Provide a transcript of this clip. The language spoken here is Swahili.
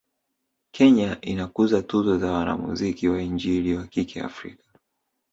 Kenya inakuza tuzo za wanamzuki wa injili wa kike Afika